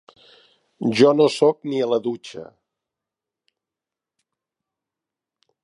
Jo no soc ni a la dutxa.